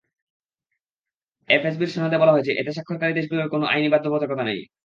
এফএসবির সনদে বলা হয়েছে, এতে স্বাক্ষরকারী দেশগুলোর কোনো আইনি বাধ্যবাধকতা নেই।